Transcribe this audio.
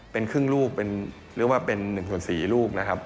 เป็นครึ่งลูกเป็นเรียกว่าเป็น๑ส่วน๔ลูกนะครับ